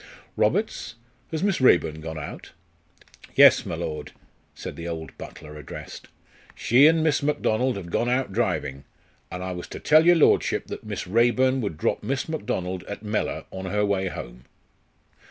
"Roberts, has Miss Raeburn gone out?" "Yes, my lord," said the old butler addressed. "She and Miss Macdonald have gone out driving, and I was to tell your lordship that Miss Raeburn would drop Miss Macdonald at Mellor on her way home."